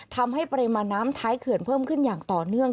ทำให้ปริมาณน้ำท้ายเขื่อนเพิ่มขึ้นอย่างต่อเนื่อง